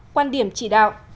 một quan điểm chỉ đạo